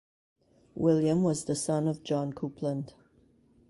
William was the son of John Coupland.